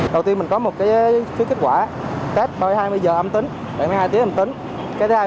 đầu tiên mình có một cái số kết quả test bao nhiêu hai mươi giờ âm tính hai mươi hai tiếng âm tính cái thứ hai